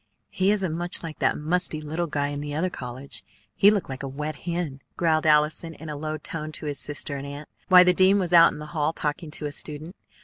"He isn't much like that musty little guy in the other college. He looked like a wet hen!" growled Allison in a low tone to his sister and aunt, while the dean was out in the hall talking to a student.